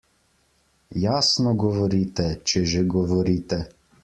Jasno govorite, če že govorite.